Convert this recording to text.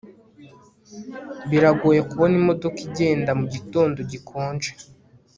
biragoye kubona imodoka igenda mugitondo gikonje